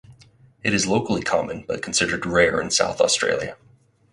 It is locally common but considered rare in South Australia.